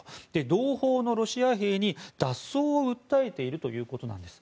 同胞のロシア兵に脱走を訴えているということなんです。